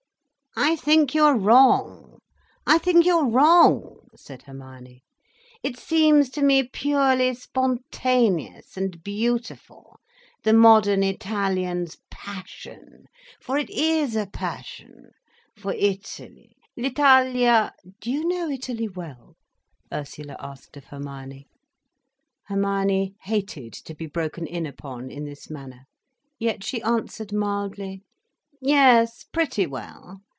"I think you are wrong—I think you are wrong—" said Hermione. "It seems to me purely spontaneous and beautiful, the modern Italian's passion, for it is a passion, for Italy, l'Italia—" "Do you know Italy well?" Ursula asked of Hermione. Hermione hated to be broken in upon in this manner. Yet she answered mildly: "Yes, pretty well.